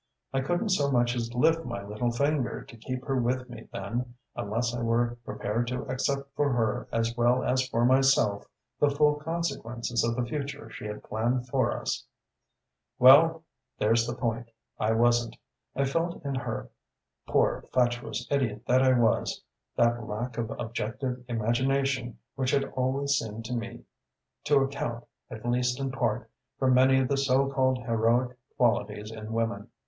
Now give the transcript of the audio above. I couldn't so much as lift my little finger to keep her with me then, unless I were prepared to accept for her as well as for myself the full consequences of the future she had planned for us.... "Well there's the point: I wasn't. I felt in her poor fatuous idiot that I was! that lack of objective imagination which had always seemed to me to account, at least in part, for many of the so called heroic qualities in women.